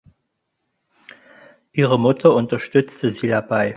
Ihre Mutter unterstützte sie dabei.